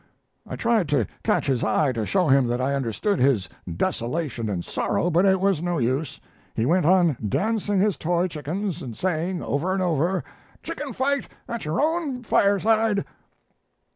I tried to catch his eye to show him that I understood his desolation and sorrow, but it was no use. He went on dancing his toy chickens, and saying, over and over, 'Chicken fight at your own fireside.'"